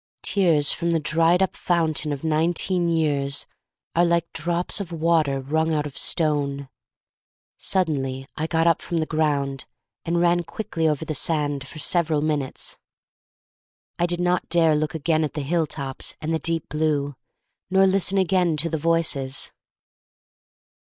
Tears from the dried up fountain of nineteen years are like drops of water wrung out of stone. Suddenly I got up from the ground and ran quickly over the sand for several minutes. I did not I04 THE STORY OF MARY MAC LANE dare look again at the hilltops and the deep blue, nor listen again to the voices.